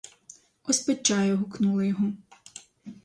Ось пить чаю гукнули його.